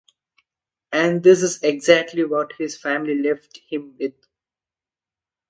And this is exactly what his family left him with.